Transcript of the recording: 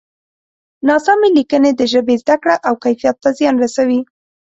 ناسمې لیکنې د ژبې زده کړه او کیفیت ته زیان رسوي.